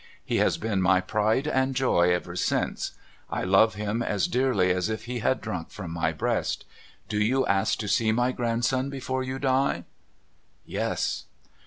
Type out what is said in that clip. He has been my pride and joy ever since. I love him as dearly as if he had drunk from my breast. Do you ask to see my grandson before you die ?' Yes.